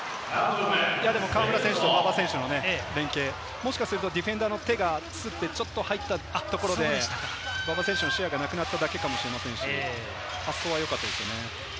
河村選手と馬場選手の連係、もしかするとディフェンダーの手がつって、ちょっと入ったところで、馬場選手の視野がなくなっただけかもしれませんし、よかったですよね。